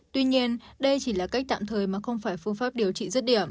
tuy nhiên đây chỉ là cách tạm thời mà không phải phương pháp điều trị rất điểm